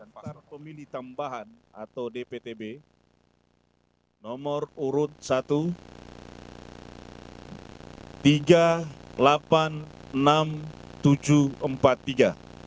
pertama dikutipkan dengan nomor satu tiga ratus delapan puluh enam tujuh ratus empat puluh tiga